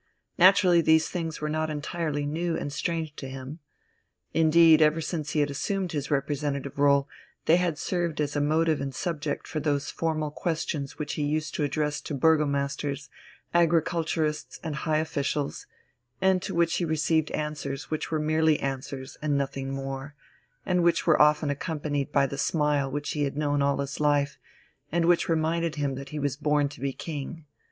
Naturally these things were not entirely new and strange to him. Indeed, ever since he had assumed his representative rôle, they had served as a motive and subject for those formal questions which he used to address to burgomasters, agriculturists, and high officials, and to which he received answers which were merely answers and nothing more, and which were often accompanied by the smile which he had known all his life and which reminded him that he was born to be king.